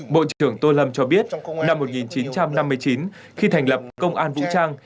bộ trưởng tô lâm cho biết năm một nghìn chín trăm năm mươi chín khi thành lập công an vũ trang